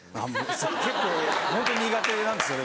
結構ホントに苦手なんですよ。